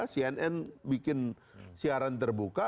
cnn bikin siaran terbuka